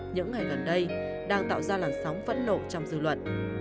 những ngày gần đây đang tạo ra làn sóng phẫn nộ trong dư luận